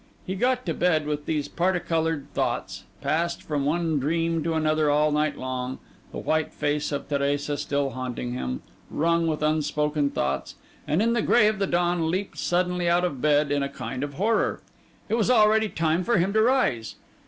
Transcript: He got to bed with these parti coloured thoughts; passed from one dream to another all night long, the white face of Teresa still haunting him, wrung with unspoken thoughts; and in the grey of the dawn, leaped suddenly out of bed, in a kind of horror. It was already time for him to rise.